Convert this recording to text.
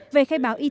về khai báo y tế